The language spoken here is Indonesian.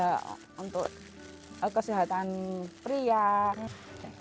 tasiapnya untuk pegel lino untuk obat obat untuk kesehatan pria